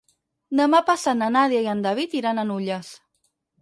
Demà passat na Nàdia i en David iran a Nulles.